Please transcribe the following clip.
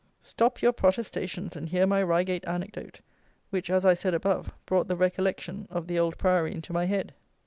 Stop your protestations and hear my Reigate anecdote, which, as I said above, brought the recollection of the Old Priory into my head.